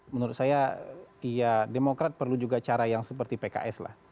menurut saya ya demokrat perlu juga cara yang seperti pks lah